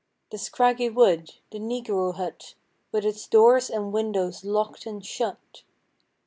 The scraggy wood; the negro hut, With its doors and windows locked and shut.